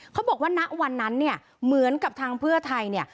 เขาบอกว่าณวันนั้นเหมือนกับทางเผื่อไทย